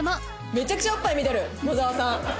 めちゃくちゃおっぱい見てる野澤さん。